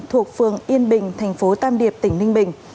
thuộc phường yên bình tp tam điệp tp ninh bình